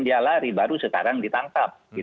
dia lari baru sekarang ditangkap